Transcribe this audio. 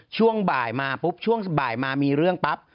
ช่วงบ่ายมาปุ๊บช่วงบ่ายมามีเรื่องปั๊บ